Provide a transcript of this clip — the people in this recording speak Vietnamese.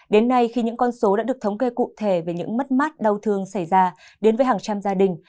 đến nay khi những con số đã được thống kê cụ thể về những mất mát đau thương xảy ra đến với hàng trăm gia đình